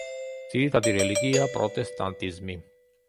ძირითადი რელიგიაა პროტესტანტიზმი.